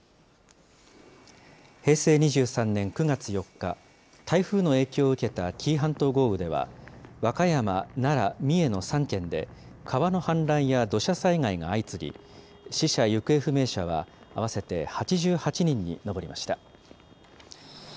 平成２３年９月４日、台風の影響を受けた紀伊半島豪雨では、和歌山、奈良、三重の３県で、川の氾濫や土砂災害が相次ぎ、死者・行方不明者は合わせて８８人に上りました。